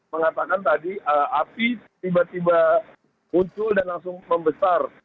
mengatakan tadi api tiba tiba muncul dan langsung membesar